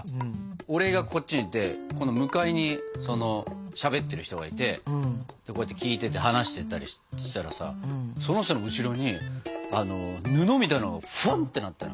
俺がこっちにいて向かいにしゃべってる人がいてこうやって聞いてて話してたりしてたらさその人の後ろに布みたいなのがふわってなったの。